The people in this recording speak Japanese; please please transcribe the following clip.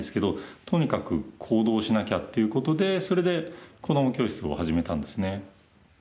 とにかく行動しなきゃっていうことでそれで子ども教室を始めたんですね。